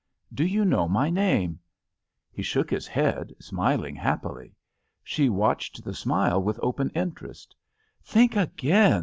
Do you know my name?" He shook his head, smiling happily. She watched the smile with open interest. "Think again!"